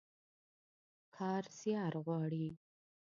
کار زيار غواړي.